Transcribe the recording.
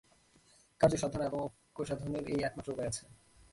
কার্যসাধন এবং ঐক্যসাধনের এই একমাত্র উপায় আছে।